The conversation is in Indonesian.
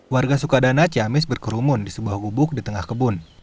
warga sukadana ciamis berkerumun di sebuah gubuk di tengah kebun